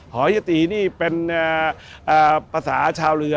หอเฮียตีนี่เป็นประสาทชาวเรือ